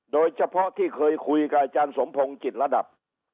โดยเฉพาะที่เคยคุยกับอาจารย์สมพงศ์จิตระดับ